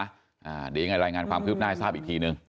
เดี๋ยวยังไงรายงานความคืบหน้าให้ทราบอีกทีนึง